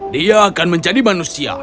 dia akan menjadi manusia